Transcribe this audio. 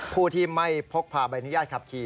ผู้ที่ไม่พกพาใบอนุญาตขับขี่